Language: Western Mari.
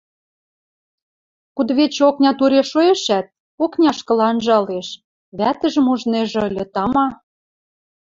Кудывичӹ окня туре шоэшӓт, окняшкыла анжалеш, вӓтӹжӹм ужнежӹ ыльы, тама.